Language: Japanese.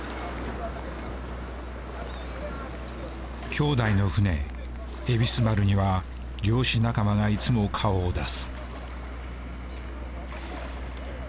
兄弟の船恵比須丸には漁師仲間がいつも顔を出す。